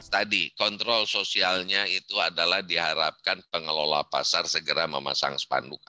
tadi kontrol sosialnya itu adalah diharapkan pengelola pasar segera memasang spanduk